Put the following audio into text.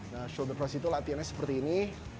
nah shoulder press itu latihannya seperti ini